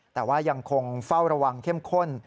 แต่ว่ายังคงเฝ้าระวังเข้มข้น